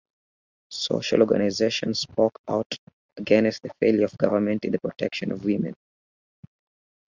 Social organisations spoke out against the failure of government in the protection of women.